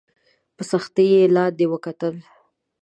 په سختۍ یې لاندي وکتل !